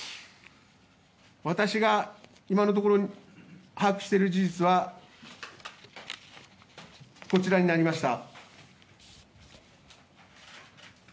私が今のところ把握している事実はこちらになりました。